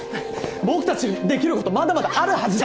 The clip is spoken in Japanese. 僕たちにできる事はまだまだあるはずだ！